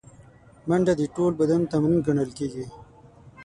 منډه د ټول بدن تمرین ګڼل کېږي